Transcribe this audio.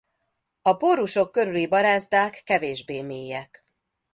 A pórusok körüli barázdák kevésbé mélyek.